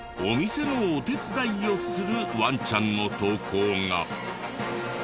お店のお手伝いをするワンちゃんの投稿が。